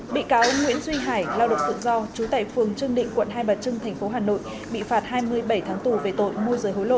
bị cáo nguyễn duy hải lao động tự do trú tại phường trương định quận hai bà trưng tp hà nội bị phạt hai mươi bảy tháng tù về tội môi rời hối lộ